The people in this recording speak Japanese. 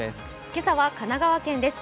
今朝は神奈川県です。